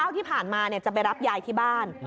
๑๙ที่ผ่านมาเนี่ยจะไปรับยายที่บ้าน